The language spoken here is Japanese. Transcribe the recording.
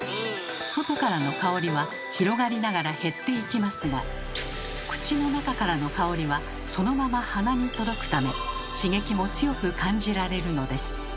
外からの香りは広がりながら減っていきますが口の中からの香りはそのまま鼻に届くため刺激も強く感じられるのです。